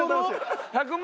１００万